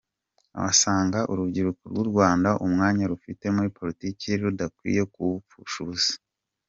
Asanga urubyiruko rw’u Rwanda umwanya rufite muri politiki rudakwiye kuwupfusha ubusa.